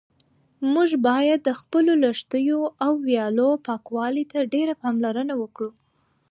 موږ باید د خپلو لښتیو او ویالو پاکوالي ته ډېره پاملرنه وکړو.